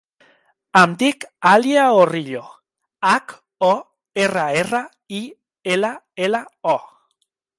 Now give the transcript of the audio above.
Em dic Alia Horrillo: hac, o, erra, erra, i, ela, ela, o.